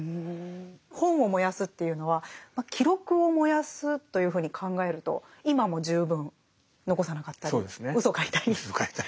本を燃やすっていうのは記録を燃やすというふうに考えると今も十分残さなかったりうそ書いたり。